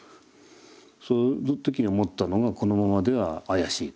その時に思ったのがこのままでは怪しいと。